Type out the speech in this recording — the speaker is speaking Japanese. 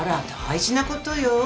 大事なことよ。